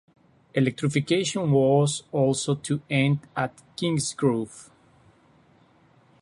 Electrification was also to end at Kingsgrove.